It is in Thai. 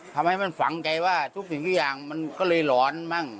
ทำให้มันฝังใจว่าทุกสิ่งทุกอย่างมันก็เลยหลอนมั่ง